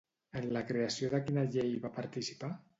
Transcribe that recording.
En la creació de quina llei va participar?